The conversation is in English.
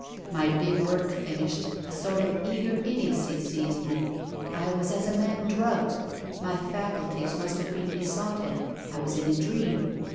My big work finished, a sort of eager idiocy seized me. I was as a man drugged. My faculties must have been besotted, I was in a dream.